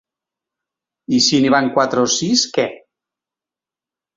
I si n’hi van quatre o sis, què?